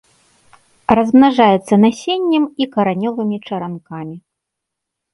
Размнажаецца насеннем і каранёвымі чаранкамі.